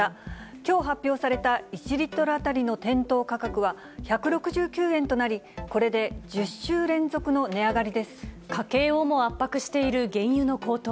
きょう発表された１リットル当たりの店頭価格は１６９円となり、家計をも圧迫している原油の高騰。